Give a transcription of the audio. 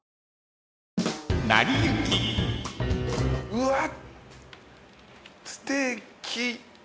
うわっステーキ。